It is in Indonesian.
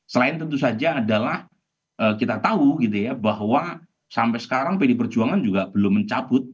selain tentu saja adalah kita tahu gitu ya bahwa sampai sekarang pd perjuangan juga belum mencabut